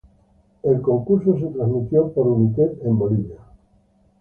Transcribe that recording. El concurso fue transmitido por Unitel en Bolivia.